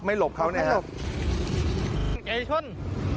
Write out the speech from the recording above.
อยากบอกว่ามากยังครับ